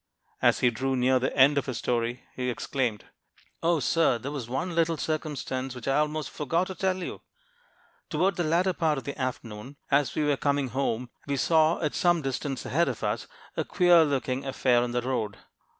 As he drew near the end of his story, he exclaimed: "O, sir, there was one little circumstance which I almost forgot to tell you! Toward the latter part of the afternoon, as we were coming home, we saw, at some distance ahead of us, a queer looking affair in the road.